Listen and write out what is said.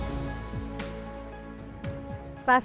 masa memasaknya seperti ini